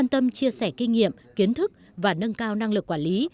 tâm chia sẻ kinh nghiệm kiến thức và nâng cao năng lực quản lý